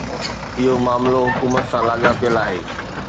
اهو معاملو حڪومتن سان لاڳاپيل آهي.